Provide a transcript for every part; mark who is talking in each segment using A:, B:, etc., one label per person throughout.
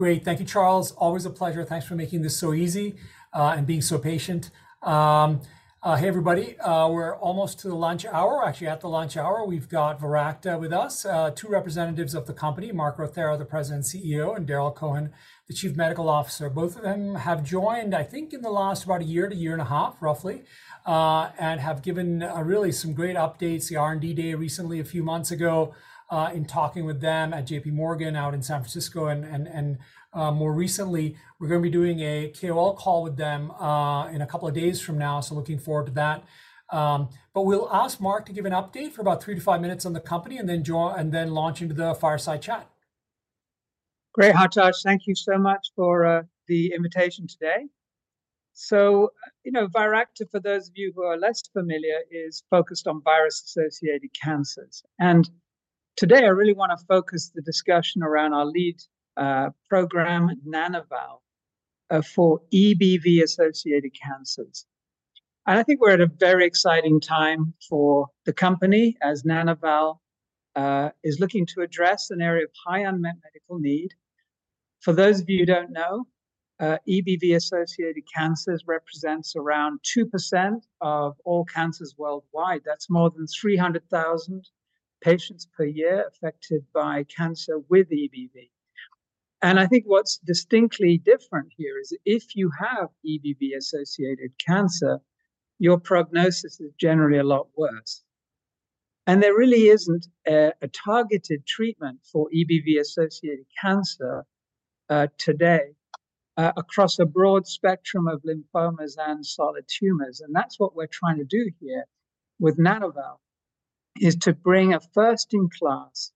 A: Great. Thank you, Charles. Always a pleasure. Thanks for making this so easy, and being so patient. Hey, everybody, we're almost to the lunch hour, actually, at the lunch hour. We've got Viracta with us, two representatives of the company, Mark Rothera, President and CEO, and Darrel Cohen, Chief Medical Officer. Both of them have joined, I think, in the last about a year to a year and a half, roughly, and have given really some great updates, the R&D day recently, a few months ago, in talking with them at J.P. Morgan out in San Francisco, and more recently, we're gonna be doing a KOL call with them, in a couple of days from now. So looking forward to that. But we'll ask Mark to give an update for about 3-5 minutes on the company, and then launch into the Fireside Chat.
B: Great, Hartaj. Thank you so much for the invitation today. So, you know, Viracta, for those of you who are less familiar, is focused on virus-associated cancers. And today, I really wanna focus the discussion around our lead program, Nana-val, for EBV-associated cancers. And I think we're at a very exciting time for the company, as Nana-val is looking to address an area of high unmet medical need. For those of you who don't know, EBV-associated cancers represents around 2% of all cancers worldwide. That's more than 300,000 patients per year affected by cancer with EBV. And I think what's distinctly different here is, if you have EBV-associated cancer, your prognosis is generally a lot worse. There really isn't a targeted treatment for EBV-associated cancer today, across a broad spectrum of lymphomas and solid tumors, and that's what we're trying to do here with Nana-val, is to bring a first-in-class,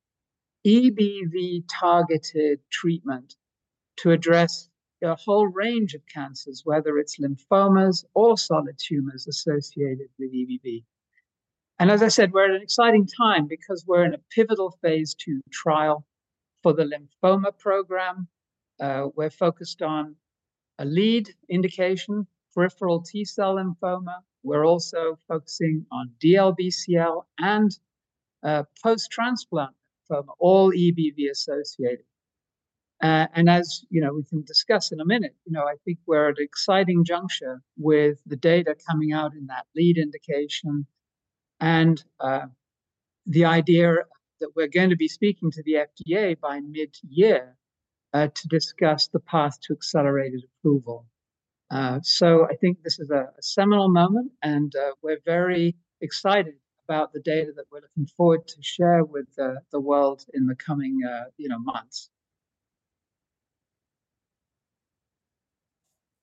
B: EBV-targeted treatment to address a whole range of cancers, whether it's lymphomas or solid tumors associated with EBV. And as I said, we're at an exciting time because we're in a pivotal phase II trial for the lymphoma program. We're focused on a lead indication, peripheral T-cell lymphoma. We're also focusing on DLBCL and post-transplant, all EBV-associated. And as you know, we can discuss in a minute, you know, I think we're at an exciting juncture with the data coming out in that lead indication and the idea that we're going to be speaking to the FDA by mid-year to discuss the path to accelerated approval. So I think this is a seminal moment, and we're very excited about the data that we're looking forward to share with the world in the coming, you know, months.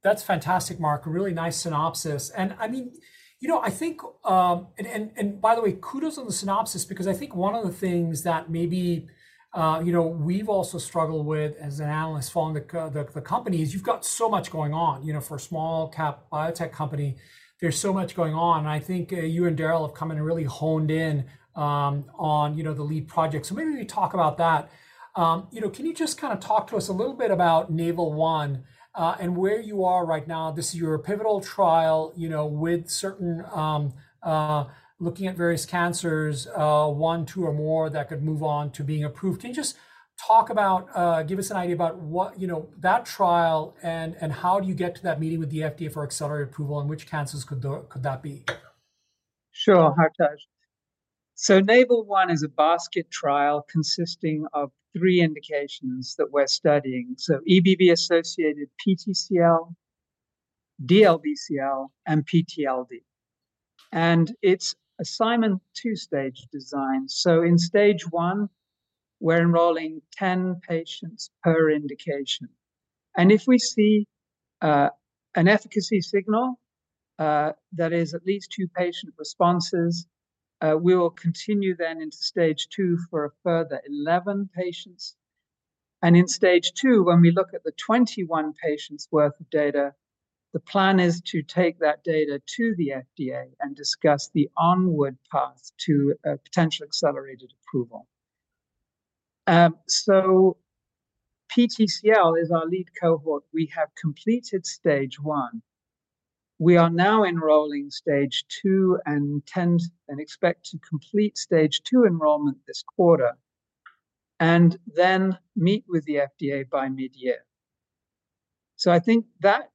A: That's fantastic, Mark. A really nice synopsis. And, I mean, you know, I think... And by the way, kudos on the synopsis, because I think one of the things that maybe, you know, we've also struggled with as an analyst following the company, is you've got so much going on. You know, for a small-cap biotech company, there's so much going on, and I think, you and Darrel have come in and really honed in on, you know, the lead project. So maybe we talk about that. You know, can you just kinda talk to us a little bit about NAVAL-1, and where you are right now? This is your pivotal trial, you know, with certain, looking at various cancers, one, two, or more that could move on to being approved. Can you just talk about, give us an idea about what, you know, that trial, and how do you get to that meeting with the FDA for accelerated approval, and which cancers could that be?
B: Sure, Hartaj. So NAVAL-1 is a basket trial consisting of three indications that we're studying. So EBV-associated PTCL, DLBCL, and PTLD. And it's a Simon Two-Stage Design. So in Stage I, we're enrolling 10 patients per indication, and if we see an efficacy signal that is at least 2 patient responses, we will continue then into Stage II for a further 11 patients. And in Stage II, when we look at the 21 patients' worth of data, the plan is to take that data to the FDA and discuss the onward path to a potential accelerated approval. So PTCL is our lead cohort. We have completed Stage I. We are now enrolling Stage II and intend, and expect to complete Stage II enrollment this quarter, and then meet with the FDA by mid-year. I think that,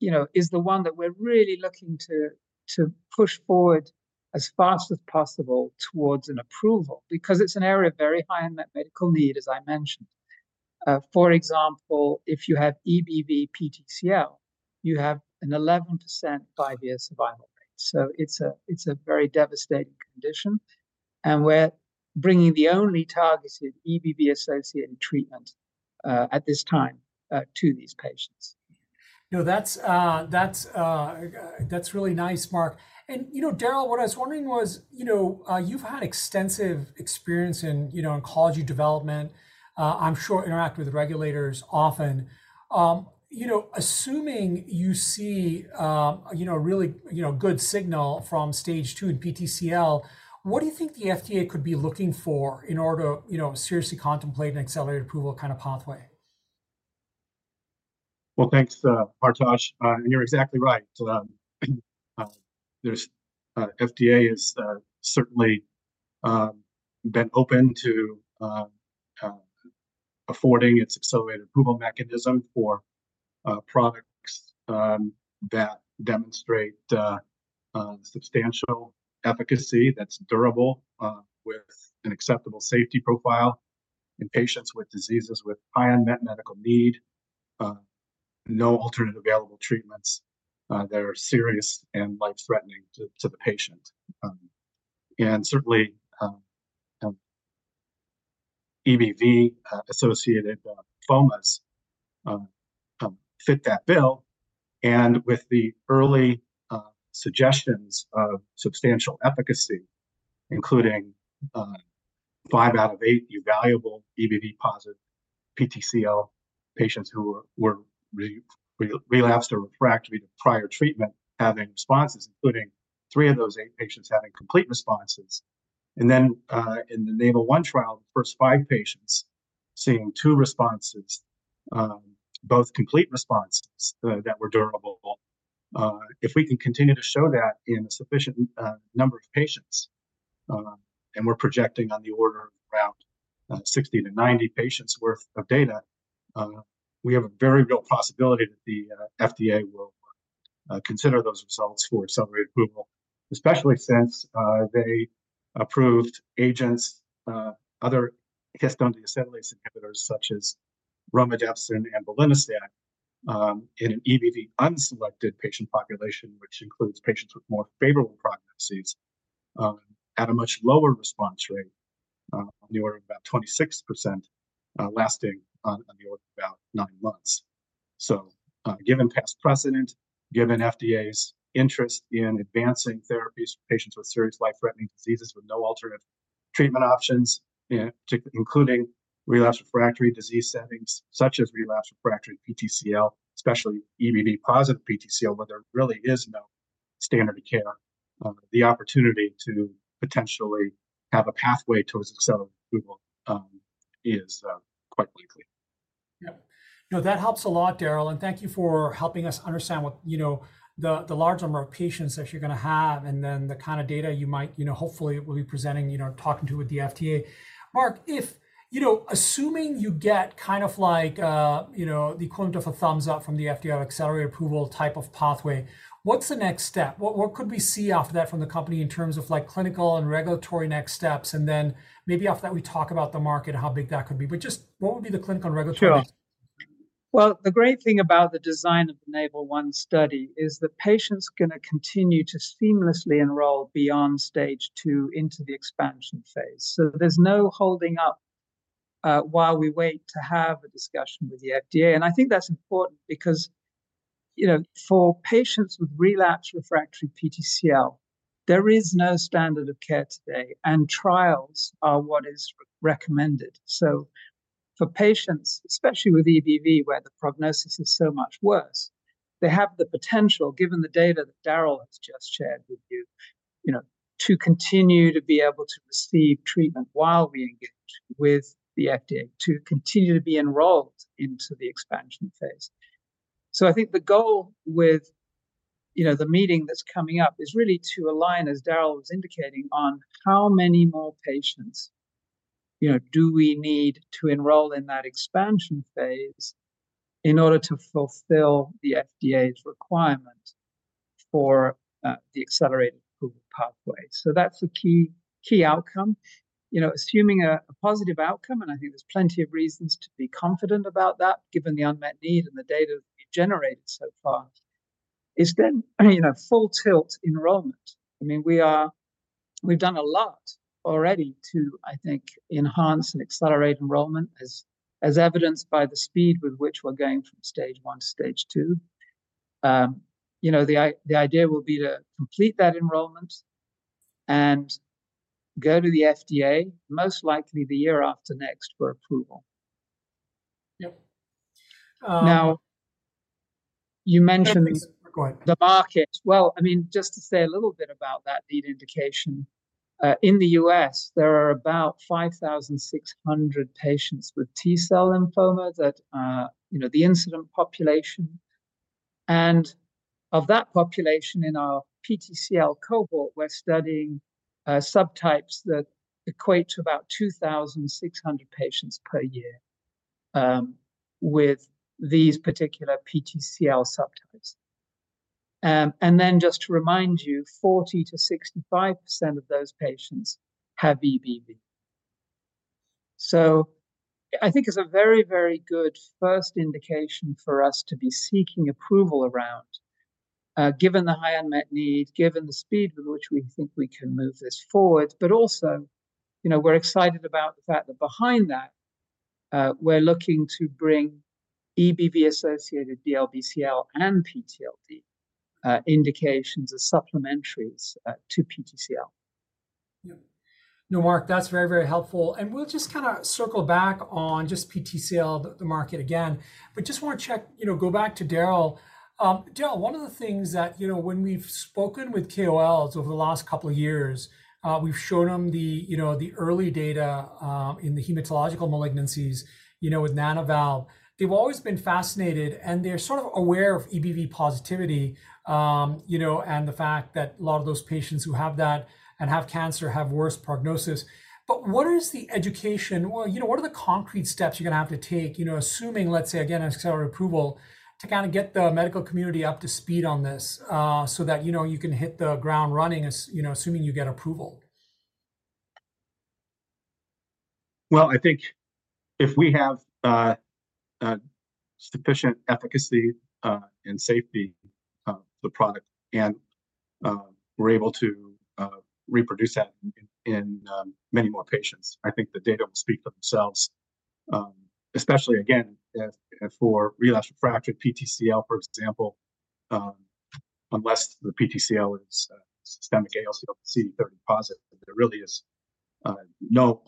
B: you know, is the one that we're really looking to, to push forward as fast as possible towards an approval, because it's an area of very high unmet medical need, as I mentioned. For example, if you have EBV PTCL, you have an 11% five-year survival rate, so it's a, it's a very devastating condition, and we're bringing the only targeted EBV-associated treatment, at this time, to these patients.
A: No, that's really nice, Mark. And, you know, Darrel, what I was wondering was, you know, you've had extensive experience in, you know, oncology development, I'm sure interact with regulators often. You know, assuming you see, you know, a really, you know, good signal from Stage II in PTCL, what do you think the FDA could be looking for in order to, you know, seriously contemplate an accelerated approval kind of pathway? ...
C: Well, thanks, Hartaj. And you're exactly right. So, the FDA has certainly been open to affording its accelerated approval mechanism for products that demonstrate substantial efficacy that's durable with an acceptable safety profile in patients with diseases with high unmet medical need, no alternative available treatments that are serious and life-threatening to the patient. And certainly, EBV-associated lymphomas fit that bill. And with the early suggestions of substantial efficacy, including five out of eight evaluable EBV positive PTCL patients who were relapsed or refractory to prior treatment, having responses, including three of those eight patients having complete responses. In the NAVAL-1 trial, the first 5 patients seeing 2 responses, both complete responses, that were durable. If we can continue to show that in a sufficient number of patients, and we're projecting on the order of around 60-90 patients worth of data, we have a very real possibility that the FDA will consider those results for accelerated approval. Especially since they approved agents, other histone deacetylase inhibitors, such as romidepsin and belinostat, in an EBV unselected patient population, which includes patients with more favorable prognoses, at a much lower response rate, on the order of about 26%, lasting on the order of about 9 months. Given past precedent, given FDA's interest in advancing therapies for patients with serious life-threatening diseases with no alternative treatment options, including relapsed refractory disease settings, such as relapsed refractory PTCL, especially EBV positive PTCL, where there really is no standard of care, the opportunity to potentially have a pathway towards accelerated approval is quite likely.
A: Yeah. No, that helps a lot, Darrel, and thank you for helping us understand what, you know, the large number of patients that you're gonna have, and then the kind of data you might, you know, hopefully will be presenting, you know, talking to with the FDA. Mark, if, you know, assuming you get kind of like, you know, the equivalent of a thumbs up from the FDA on accelerated approval type of pathway, what's the next step? What could we see after that from the company in terms of, like, clinical and regulatory next steps? And then maybe after that, we talk about the market and how big that could be. But just what would be the clinical and regulatory-
B: Sure. Well, the great thing about the design of the NAVAL-1 study is that patients are gonna continue to seamlessly enroll beyond Stage 2 into the expansion phase. So there's no holding up while we wait to have a discussion with the FDA. And I think that's important because, you know, for patients with relapsed refractory PTCL, there is no standard of care today, and trials are what is recommended. So for patients, especially with EBV, where the prognosis is so much worse, they have the potential, given the data that Darrel has just shared with you, you know, to continue to be able to receive treatment while we engage with the FDA, to continue to be enrolled into the expansion phase. So I think the goal with, you know, the meeting that's coming up is really to align, as Darrel was indicating, on how many more patients, you know, do we need to enroll in that expansion phase in order to fulfill the FDA's requirement for the accelerated approval pathway. So that's a key, key outcome. You know, assuming a, a positive outcome, and I think there's plenty of reasons to be confident about that, given the unmet need and the data that we've generated so far, is then, you know, full-tilt enrollment. I mean, we've done a lot already to, I think, enhance and accelerate enrollment, as, as evidenced by the speed with which we're going from Stage one to Stage two. You know, the idea will be to complete that enrollment and go to the FDA, most likely the year after next, for approval.
A: Yep. Um-
B: Now, you mentioned-
A: Go ahead.
B: -the market. Well, I mean, just to say a little bit about that lead indication. In the U.S., there are about 5,600 patients with T-cell lymphoma that, you know, the incident population. And of that population, in our PTCL cohort, we're studying subtypes that equate to about 2,600 patients per year, with these particular PTCL subtypes. And then just to remind you, 40%-65% of those patients have EBV. So I think it's a very, very good first indication for us to be seeking approval around, given the high unmet need, given the speed with which we think we can move this forward. But also, you know, we're excited about the fact that behind that, we're looking to bring EBV-associated DLBCL and PTLD indications as supplementaries to PTCL....
A: Yep. No, Mark, that's very, very helpful. And we'll just kind of circle back on just PTCL, the market again. But just wanna check, you know, go back to Darrel. Darrel, one of the things that, you know, when we've spoken with KOLs over the last couple of years, we've shown them the, you know, the early data in the hematological malignancies, you know, with Nana-val. They've always been fascinated, and they're sort of aware of EBV positivity, you know, and the fact that a lot of those patients who have that and have cancer have worse prognosis. But what is the education, well, you know, what are the concrete steps you're gonna have to take, you know, assuming, let's say, again, accelerated approval, to kinda get the medical community up to speed on this, so that, you know, you can hit the ground running, as, you know, assuming you get approval?
C: Well, I think if we have sufficient efficacy and safety of the product, and we're able to reproduce that in many more patients, I think the data will speak themselves. Especially again, if for relapsed/refractory PTCL, for example, unless the PTCL is systemic ALCL CD30 positive, there really is no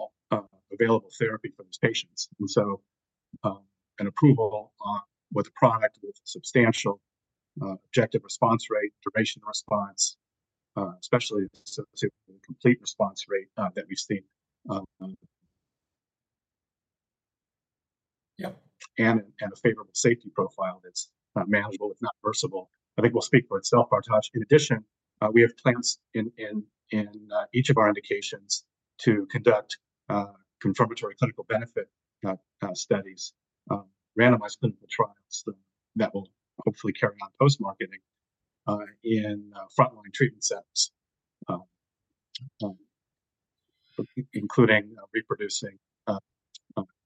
C: available therapy for these patients. And so, an approval with a product with substantial objective response rate, duration response, especially complete response rate, that we've seen... Yep, and a favorable safety profile that's manageable, if not versatile, I think will speak for itself, Hartaj. In addition, we have plans in each of our indications to conduct confirmatory clinical benefit studies, randomized clinical trials that will hopefully carry on post-marketing in frontline treatment settings. Including reproducing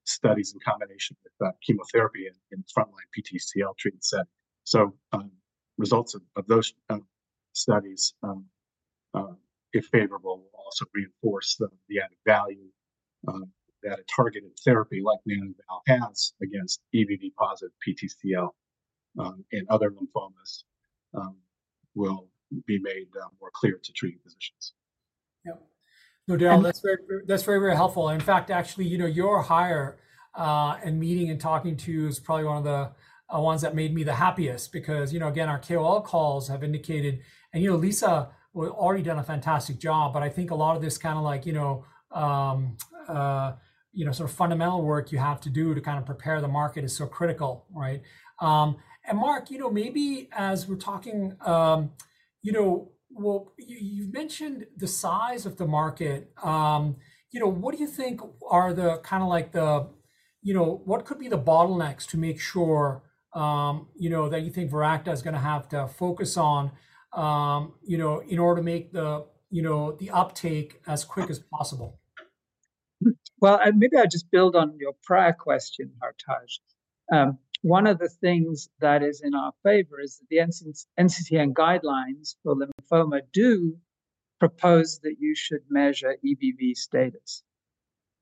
C: studies in combination with chemotherapy in frontline PTCL treatment setting. So, results of those studies, if favorable, will also reinforce the added value that a targeted therapy like Nana-val has against EBV-positive PTCL and other lymphomas will be made more clear to treating physicians.
A: Yep. No, Darrel, that's very, that's very, very helpful. In fact, actually, you know, your hire and meeting and talking to you is probably one of the ones that made me the happiest. Because, you know, again, our KOL calls have indicated... And, you know, Lisa already done a fantastic job, but I think a lot of this kind of like, you know, you know, sort of fundamental work you have to do to kind of prepare the market is so critical, right? And Mark, you know, maybe as we're talking, you know, well, you mentioned the size of the market. You know, what do you think are the kind of like the, you know, what could be the bottlenecks to make sure, you know, that you think Viracta is gonna have to focus on, you know, in order to make the, you know, the uptake as quick as possible?
B: Well, and maybe I'll just build on your prior question, Hartaj. One of the things that is in our favor is that the NCCN guidelines for lymphoma do propose that you should measure EBV status.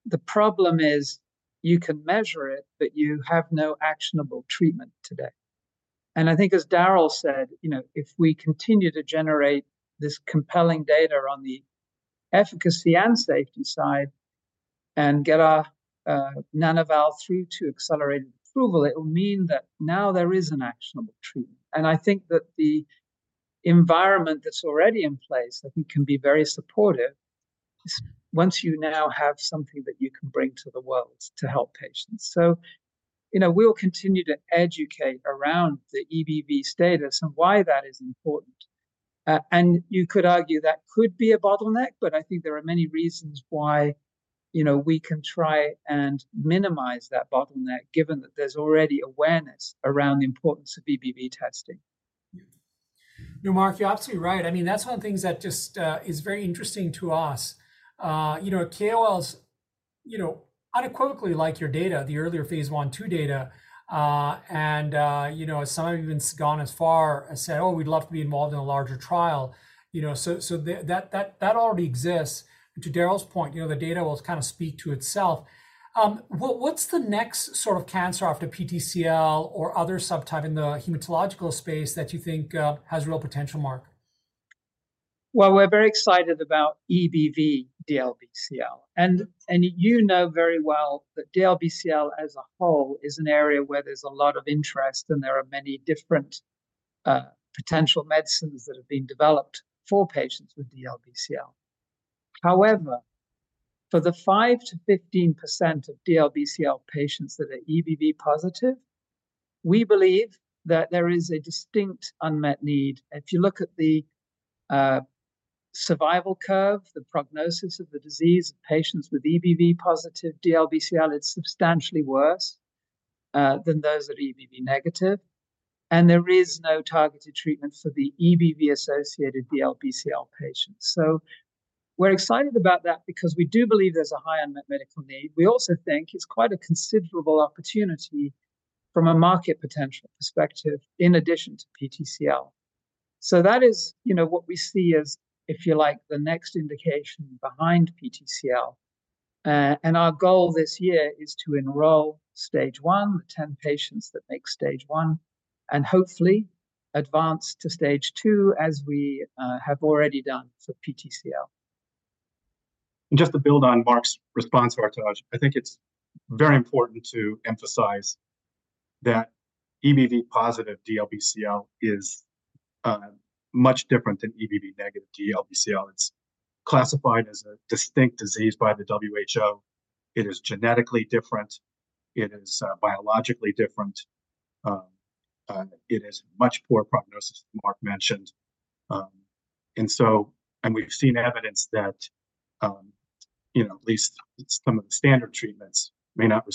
B: The problem is, you can measure it, but you have no actionable treatment today. And I think as Darrel said, you know, if we continue to generate this compelling data on the efficacy and safety side, and get our Nana-val through to accelerated approval, it will mean that now there is an actionable treatment. And I think that the environment that's already in place, I think, can be very supportive, once you now have something that you can bring to the world to help patients. So, you know, we'll continue to educate around the EBV status and why that is important. And you could argue that could be a bottleneck, but I think there are many reasons why, you know, we can try and minimize that bottleneck, given that there's already awareness around the importance of EBV testing.
A: Yeah. No, Mark, you're absolutely right. I mean, that's one of the things that just is very interesting to us. You know, KOLs, you know, unequivocally like your data, the earlier phase I and II data. And, you know, some have even gone as far as said, "Oh, we'd love to be involved in a larger trial." You know, so, so that, that, that already exists. To Darrel's point, you know, the data will kind of speak to itself. What, what's the next sort of cancer after PTCL or other subtype in the hematological space that you think has real potential, Mark?
B: Well, we're very excited about EBV DLBCL. And, and you know very well that DLBCL as a whole is an area where there's a lot of interest, and there are many different, potential medicines that have been developed for patients with DLBCL. However, for the 5%-15% of DLBCL patients that are EBV positive, we believe that there is a distinct unmet need. If you look at the, survival curve, the prognosis of the disease in patients with EBV positive DLBCL, it's substantially worse, than those that are EBV negative, and there is no targeted treatment for the EBV-associated DLBCL patients. So we're excited about that because we do believe there's a high unmet medical need. We also think it's quite a considerable opportunity from a market potential perspective, in addition to PTCL. So that is, you know, what we see as, if you like, the next indication behind PTCL, and our goal this year is to enroll Stage I, the 10 patients that make Stage I, and hopefully advance to Stage II, as we have already done for PTCL.
C: Just to build on Mark's response, Hartaj, I think it's very important to emphasize that EBV-positive DLBCL is much different than EBV-negative DLBCL. It's classified as a distinct disease by the WHO. It is genetically different, it is biologically different, it is much poor prognosis, as Mark mentioned. And we've seen evidence that, you know, at least some of the standard treatments may not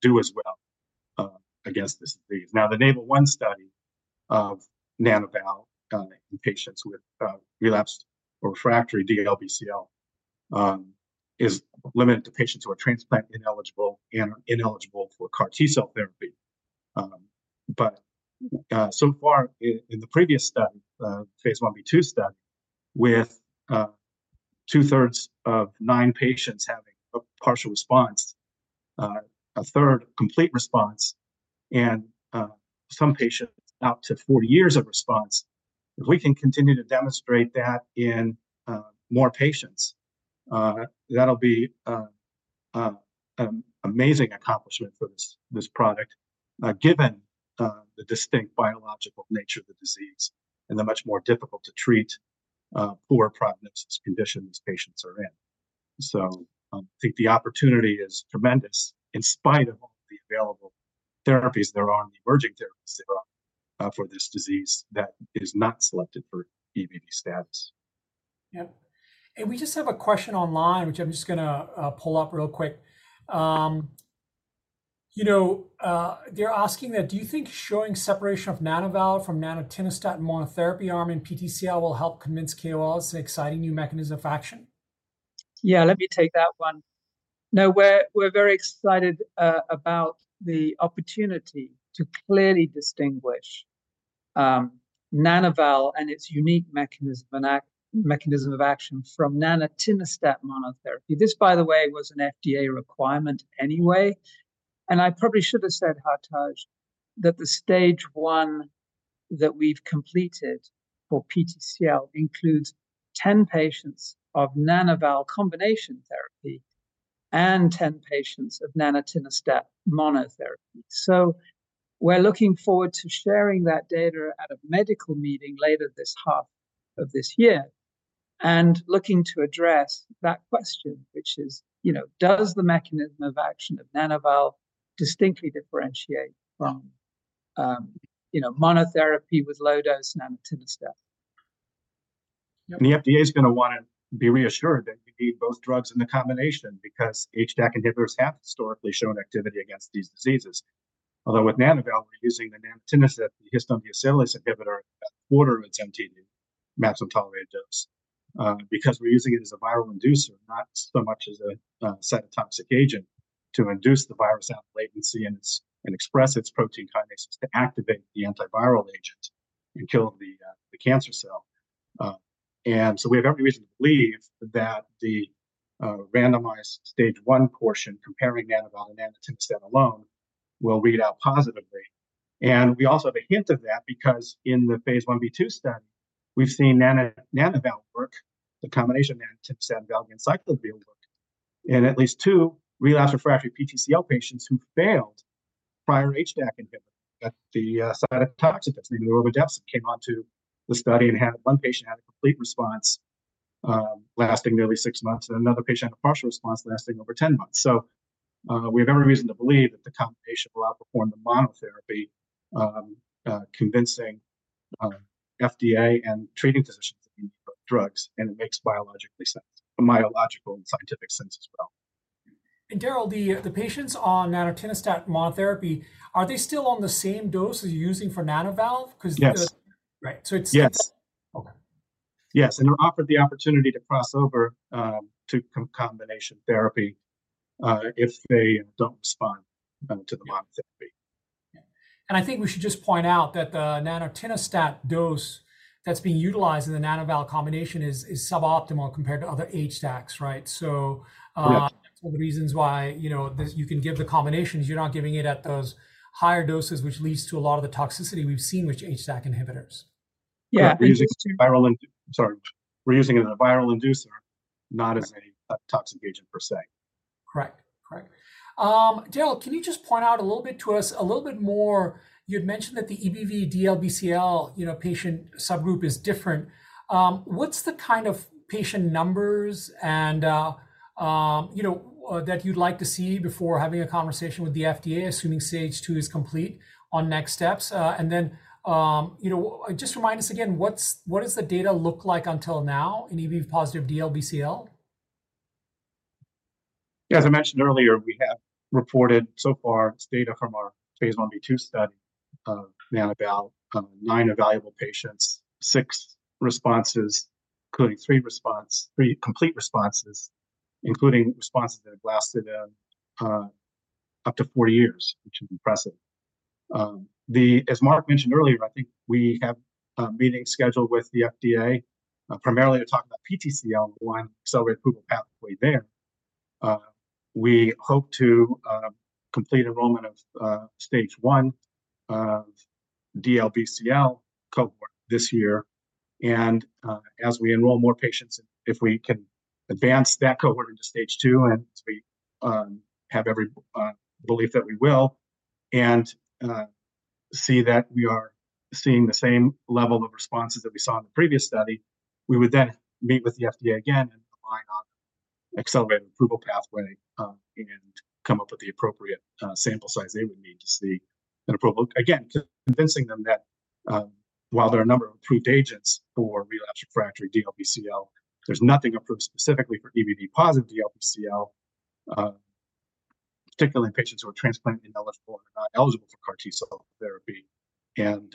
C: do as well against this disease. Now, the NAVAL-1 study of Nana-val in patients with relapsed or refractory DLBCL is limited to patients who are transplant-ineligible and ineligible for CAR T-cell therapy. But so far in the previous Phase 1b/2 study, with two-thirds of nine patients having a partial response, a third complete response, and some patients up to four years of response, if we can continue to demonstrate that in more patients, that'll be amazing accomplishment for this product, given the distinct biological nature of the disease and the much more difficult to treat poor prognosis condition these patients are in. So I think the opportunity is tremendous, in spite of all the available therapies there are and the emerging therapies there are for this disease that is not selected for EBV status.
A: Yep. And we just have a question online, which I'm just gonna pull up real quick. You know, they're asking that: "Do you think showing separation of Nana-val from nanatinostat monotherapy arm in PTCL will help convince KOLs an exciting new mechanism of action?
B: Yeah, let me take that one. No, we're very excited about the opportunity to clearly distinguish Nana-val and its unique mechanism and mechanism of action from nanatinostat monotherapy. This, by the way, was an FDA requirement anyway, and I probably should have said, Hartaj, that the stage one that we've completed for PTCL includes 10 patients of Nana-val combination therapy and 10 patients of nanatinostat monotherapy. So we're looking forward to sharing that data at a medical meeting later this half of this year and looking to address that question, which is, you know, does the mechanism of action of Nana-val distinctly differentiate from, you know, monotherapy with low-dose nanatinostat?
A: Yep.
C: The FDA is gonna wanna be reassured that we need both drugs in the combination, because HDAC inhibitors have historically shown activity against these diseases. Although with Nana-val, we're using the nanatinostat, the histone deacetylase inhibitor, about a quarter of its MTD, maximum tolerated dose, because we're using it as a viral inducer, not so much as a cytotoxic agent, to induce the virus out of latency and express its protein kinases to activate the antiviral agent and kill the cancer cell. And so we have every reason to believe that the randomized stage one portion comparing Nana-val and nanatinostat alone will read out positively. And we also have a hint of that because in the Phase 1b/2 study, we've seen Nana-val work, the combination nanatinostat, valganciclovir work, in at least two relapsed refractory PTCL patients who failed prior HDAC inhibitor, that the cytotoxic that's named romidepsin, came onto the study and had. One patient had a complete response lasting nearly six months, and another patient had a partial response lasting over 10 months. So, we have every reason to believe that the combination will outperform the monotherapy, convincing FDA and treating physicians with drugs, and it makes biological sense, biological and scientific sense as well.
A: Darrel, the patients on nanatinostat monotherapy, are they still on the same dose as you're using for Nana-val? 'Cause the-
C: Yes.
A: Right. So it's-
C: Yes.
A: Okay.
C: Yes, and they're offered the opportunity to cross over to combination therapy, if they don't respond to the monotherapy.
A: Yeah. And I think we should just point out that the nanatinostat dose that's being utilized in the Nana-val combination is suboptimal compared to other HDACs, right? So,
C: Yeah...
A: one of the reasons why, you know, this, you can give the combinations, you're not giving it at those higher doses, which leads to a lot of the toxicity we've seen with HDAC inhibitors.
C: Yeah, we're using-
A: And-...
C: Sorry, we're using it as a viral inducer, not as a-
A: Right...
C: toxic agent per se.
A: Correct, correct. Darrel, can you just point out a little bit to us, a little bit more, you'd mentioned that the EBV DLBCL, you know, patient subgroup is different. What's the kind of patient numbers and, you know, that you'd like to see before having a conversation with the FDA, assuming Stage 2 is complete, on next steps? And then, you know, just remind us again, what does the data look like until now in EBV positive DLBCL?
C: Yeah, as I mentioned earlier, we have reported so far data from our Phase 1b/2 study, Nana-val, 9 evaluable patients, 6 responses, including three response, three complete responses, including responses that have lasted up to 4 years, which is impressive. As Mark mentioned earlier, I think we have a meeting scheduled with the FDA, primarily to talk about PTCL one, accelerated approval pathway there. We hope to complete enrollment of stage 1, DLBCL cohort this year. As we enroll more patients, if we can advance that cohort into stage two, and we have every belief that we will, and see that we are seeing the same level of responses that we saw in the previous study, we would then meet with the FDA again and rely on accelerated approval pathway, and come up with the appropriate sample size they would need to see and approve. Again, convincing them that, while there are a number of approved agents for relapsed refractory DLBCL, there's nothing approved specifically for EBV positive DLBCL, particularly in patients who are transplant ineligible or not eligible for CAR T-cell therapy, and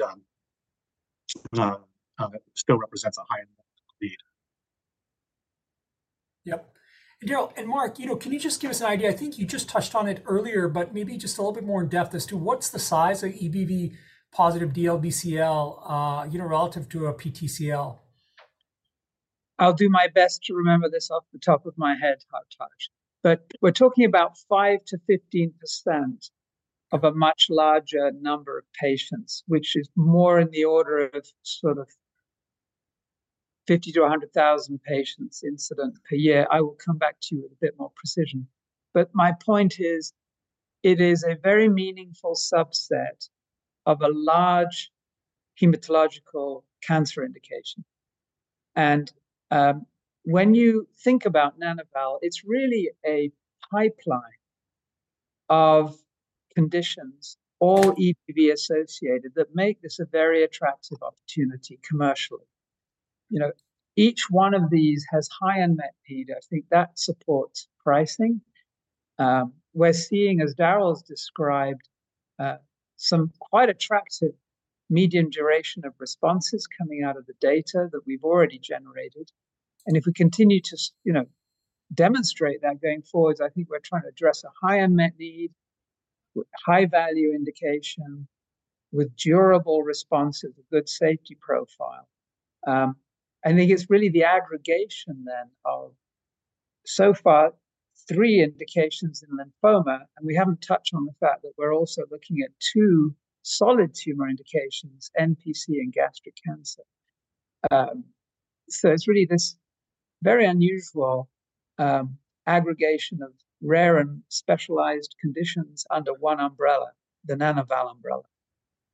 C: it still represents a high unmet need.
A: Yep. And Darrel, and Mark, you know, can you just give us an idea? I think you just touched on it earlier, but maybe just a little bit more in depth as to what's the size of EBV positive DLBCL, you know, relative to a PTCL?
B: I'll do my best to remember this off the top of my head, Hartaj. But we're talking about 5%-15% of a much larger number of patients, which is more in the order of sort of 50-100,000 patients incident per year. I will come back to you with a bit more precision. But my point is, it is a very meaningful subset of a large hematological cancer indication. And when you think about Nana-val, it's really a pipeline of conditions, all EBV-associated, that make this a very attractive opportunity commercially. You know, each one of these has high unmet need. I think that supports pricing. We're seeing, as Darrel has described, some quite attractive median duration of responses coming out of the data that we've already generated. And if we continue to, you know, demonstrate that going forward, I think we're trying to address a high unmet need, high value indication with durable responses, a good safety profile. I think it's really the aggregation then of, so far, three indications in lymphoma, and we haven't touched on the fact that we're also looking at two solid tumor indications, NPC and gastric cancer. It's really this very unusual aggregation of rare and specialized conditions under one umbrella, the Nana-val umbrella.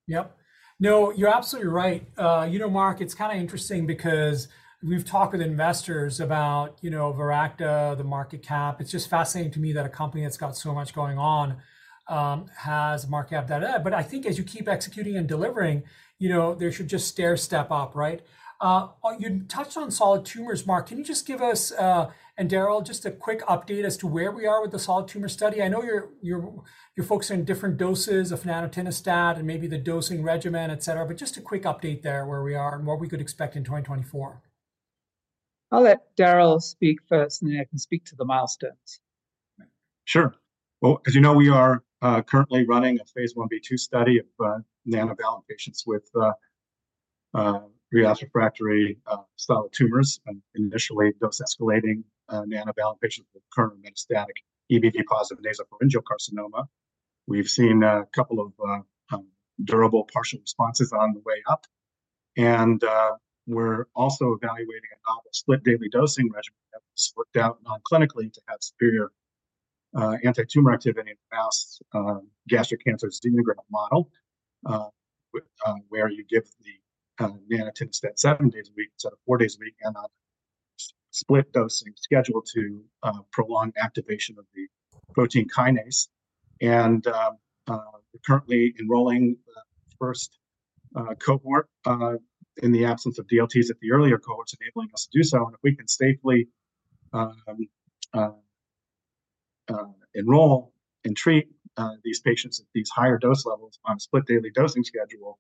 A: Yep. No, you're absolutely right. You know, Mark, it's kinda interesting because we've talked with investors about, you know, Viracta, the market cap. It's just fascinating to me that a company that's got so much going on has a market cap. But I think as you keep executing and delivering, you know, there should just stairstep up, right? You touched on solid tumors, Mark. Can you just give us and Darrel just a quick update as to where we are with the solid tumor study? I know you're focusing on different doses of nanatinostat and maybe the dosing regimen, et cetera, but just a quick update there, where we are and what we could expect in 2024.
B: I'll let Darrel speak first, and then I can speak to the milestones.
C: Sure. Well, as you know, we are currently running a Phase 1b/2 study of Nana-val in patients with relapsed refractory solid tumors, and initially dose-escalating Nana-val in patients with recurrent metastatic EBV-positive nasopharyngeal carcinoma. We've seen a couple of durable partial responses on the way up, and we're also evaluating a novel split daily dosing regimen that was worked out nonclinically to have superior antitumor activity in mouse gastric cancer xenograft model, with where you give the nanatinostat 7 days a week, so 4 days a week on a split dosing schedule to prolong activation of the protein kinase. And we're currently enrolling the first cohort in the absence of DLTs at the earlier cohorts, enabling us to do so. If we can safely enroll and treat these patients at these higher dose levels on a split daily dosing schedule,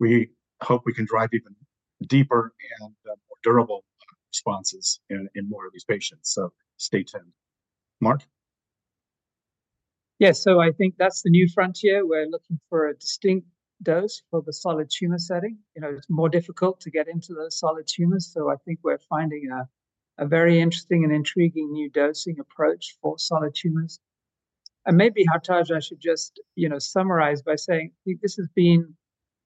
C: we hope we can drive even deeper and more durable responses in more of these patients. So stay tuned. Mark?
B: Yeah, so I think that's the new frontier. We're looking for a distinct dose for the solid tumor setting. You know, it's more difficult to get into the solid tumors, so I think we're finding a very interesting and intriguing new dosing approach for solid tumors. And maybe, Hartaj, I should just, you know, summarize by saying this has been,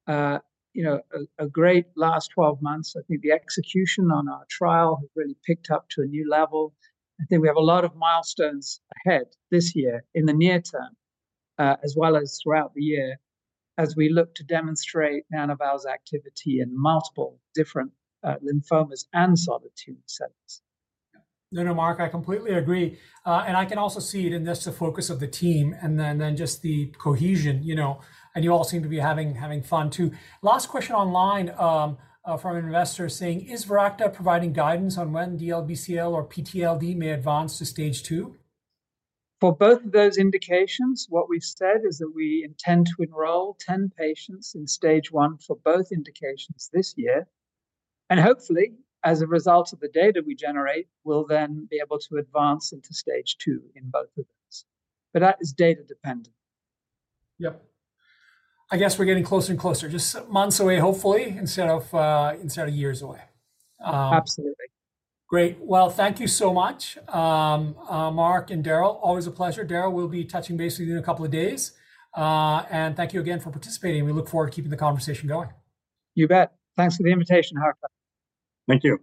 B: you know, a great last 12 months. I think the execution on our trial has really picked up to a new level. I think we have a lot of milestones ahead this year, in the near term, as well as throughout the year, as we look to demonstrate Nana-val's activity in multiple different lymphomas and solid tumor settings.
A: No, no, Mark, I completely agree. And I can also see it in just the focus of the team, and then just the cohesion, you know, and you all seem to be having fun, too. Last question online from an investor saying: "Is Viracta providing guidance on when DLBCL or PTLD may advance to Stage 2?
B: For both of those indications, what we've said is that we intend to enroll 10 patients in Stage 1 for both indications this year, and hopefully, as a result of the data we generate, we'll then be able to advance into Stage 2 in both of those. But that is data dependent.
A: Yep. I guess we're getting closer and closer, just months away, hopefully, instead of years away.
B: Absolutely.
A: Great. Well, thank you so much, Mark and Darrel. Always a pleasure. Darrel, we'll be touching base with you in a couple of days. And thank you again for participating. We look forward to keeping the conversation going.
B: You bet. Thanks for the invitation, Hartaj.
C: Thank you.